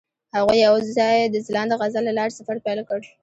هغوی یوځای د ځلانده غزل له لارې سفر پیل کړ.